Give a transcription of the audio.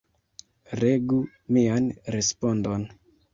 Legu mian respondon.